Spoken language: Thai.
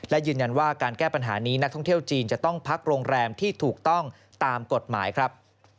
และยืนยันว่าการแก้ปัญหานี้นักท่องเที่ยวจีนจะต้องพักโรงแรมที่ถูกต้องตามกฎหมายครับ